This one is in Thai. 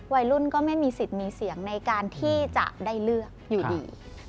วัยรุ่นก็ไม่มีสิทธิ์มีเสียงในการที่จะได้เลือกอยู่ดี